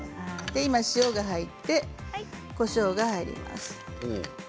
今、塩が入ってこしょうが入ります。